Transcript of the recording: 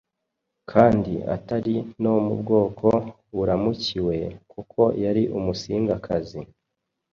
kandi atari no mu bwoko buramukiwe, kuko yari Umusingakazi,